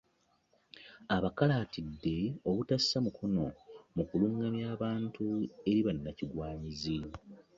Abakalaatidde obutassa mukono mu kulungamya abantu eri bannakigwanyizi